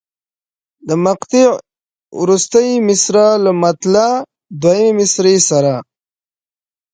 د مقطع وروستۍ مصرع له مطلع دویمې مصرع سره.